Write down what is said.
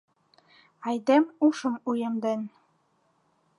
Айдем ушым уэмден